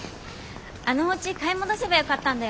あのおうち買い戻せばよかったんだよね。